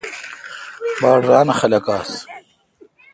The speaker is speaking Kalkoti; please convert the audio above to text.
باڑ ران اؘ خلق آس ۔